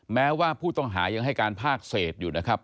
แม้ว่าผู้ต้องหายังให้การภาคเศษอยู่นะครับ